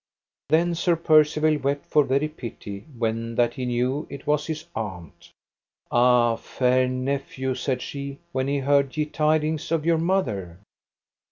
Then Sir Percivale wept for very pity when that he knew it was his aunt. Ah, fair nephew, said she, when heard ye tidings of your mother?